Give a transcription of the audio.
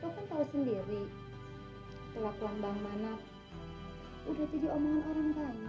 hai kau sendiri telah pulang bang manak udah jadi omongan orang banyak